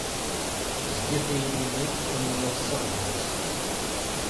Tezga tayri-nni am umassaɣ gar-asen.